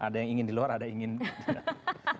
ada yang ingin di luar ada yang ingin